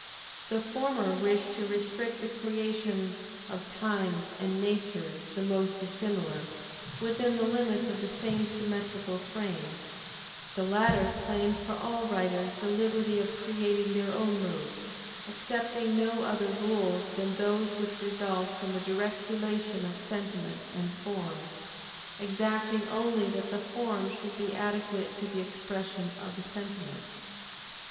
The former wished to restrict the creations of times and natures the most dissimilar, within the limits of the same symmetrical frame; the latter claimed for all writers the liberty of creating their own mode, accepting no other rules than those which result from the direct relation of sentiment and form, exacting only that the form should be adequate to the expression of the sentiment.